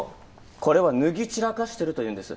これは脱ぎ散らかしてるというんです。